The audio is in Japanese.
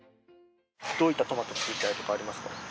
どういったトマト作りたいとかありますか？